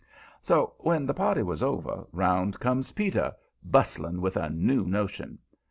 So, when the party was over, 'round comes Peter, busting with a new notion.